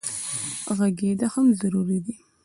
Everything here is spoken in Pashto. غږېدا هم ضروري ده.